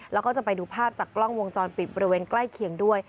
แล้วก็จะไปดูภาพจากกล้องวงจรปิดบริเวณใกล้เคียงด้วย